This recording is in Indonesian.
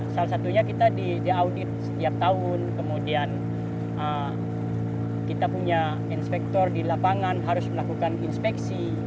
salah satunya kita diaudit setiap tahun kemudian kita punya inspektor di lapangan harus melakukan inspeksi